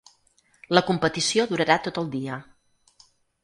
La competició durarà tot el dia.